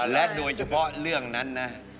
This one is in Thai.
และโดยเฉพาะเรื่องนั้นนะ